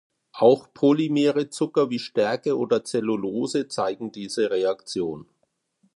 Auch polymere Zucker wie Stärke oder Cellulose zeigen diese Reaktion.